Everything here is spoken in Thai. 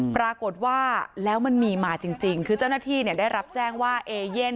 ปรากฏว่าแล้วมันมีมาจริงคือเจ้าหน้าที่ได้รับแจ้งว่าเอเย่น